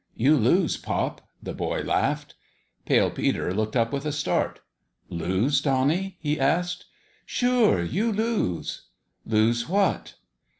" You lose, pop," the boy laughed. Pale Peter looked up with a start. " Lose, Donnie? " he asked. " Sure, you lose !"" Lose what